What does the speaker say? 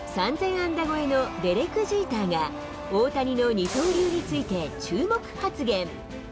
安打超えのデレク・ジーターが、大谷の二刀流について注目発言。